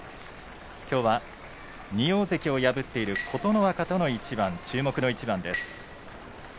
きょうは２大関を破っている琴ノ若との一番注目の一番です。